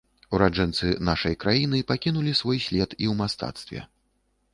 Ураджэнцы нашай краіны пакінулі свой след і ў мастацтве.